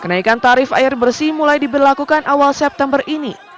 kenaikan tarif air bersih mulai diberlakukan awal september ini